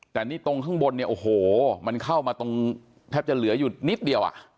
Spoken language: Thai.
แต่นี่ตรงข้างบนเนี่ยโอ้โหมันเข้ามาตรงแทบจะเหลืออยู่นิดเดียวอ่ะ